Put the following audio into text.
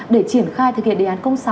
để triển khai thực hiện đề án công sáu